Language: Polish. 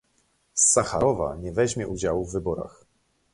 Sacharowa, nie weźmie udziału w wyborach